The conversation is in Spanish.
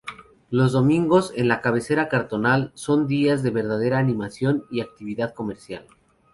Los domingos en la cabecera cantonal, son días de verdadera animación y actividad comercial.